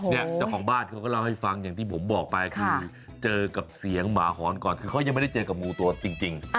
เจ้าของบ้านเขาก็เล่าให้ฟังอย่างที่ผมบอกไปคือเจอกับเสียงหมาหอนก่อนคือเขายังไม่ได้เจอกับงูตัวจริง